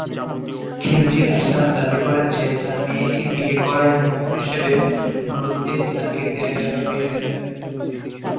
খিলজি আরসালান দাবি করেন যে তার মেয়েকে বিয়ে করার মোহর হিসেবে নুরউদ্দিন তাকে দেয়া এলাকা ফিরিয়ে দেবেন।